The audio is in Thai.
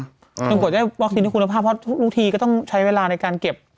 จนกว่าจะได้วัคซีนที่คุณภาพเพราะทุกทีก็ต้องใช้เวลาในการเก็บ